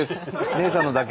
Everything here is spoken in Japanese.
ねえさんのだけ。